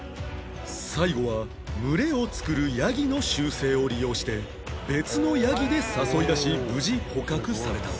最後は群れを作るヤギの習性を利用して別のヤギで誘い出し無事捕獲された